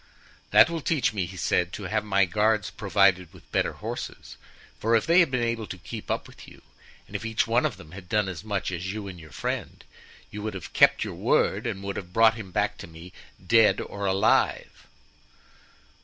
"'That will teach me,' he said, 'to have my guards provided with better horses; for if they had been able to keep up with you and if each one of them had done as much as you and your friend, you would have kept your word and would have brought him back to me dead or alive.